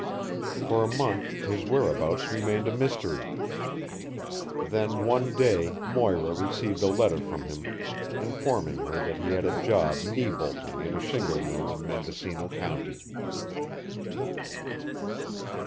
For a month his whereabouts remained a mystery; then one day Moira received a letter from him informing her that he had a job knee bolting in a shingle mill in Mendocino County.